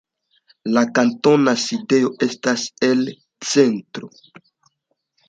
La kantona sidejo estas El Centro.